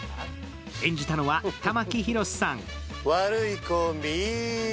演じたのは玉木宏さん。